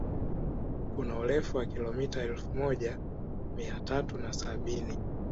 Kuna urefu wa kilomita elfu moja mia tatu na sabini